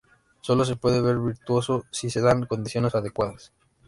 Solo se puede ser virtuoso si se dan las condiciones adecuadas.